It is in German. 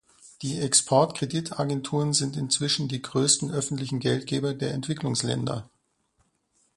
Die Exportkreditagenturen sind inzwischen die größten öffentlichen Geldgeber der Entwicklungsländer.